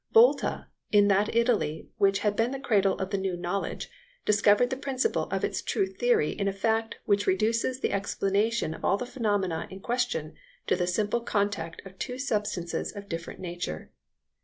Volta, in that Italy which had been the cradle of the new knowledge, discovered the principle of its true theory in a fact which reduces the explanation of all the phenomena in question to the simple contact of two substances of different nature.